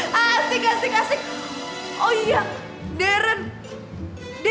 hah dia tuh pacarnya dateng tuh